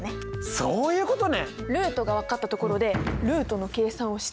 そういうことか！